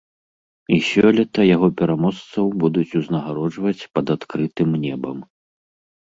І сёлета яго пераможцаў будуць узнагароджваць пад адкрытым небам.